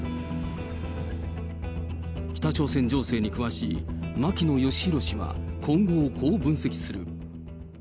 北朝鮮情勢に詳しい牧野愛博氏は、今後をこう分析する。